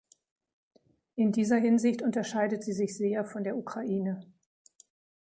In dieser Hinsicht unterscheidet sie sich sehr von der Ukraine.